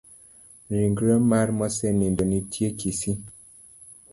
Rigre mar mosenindo nitie kisii.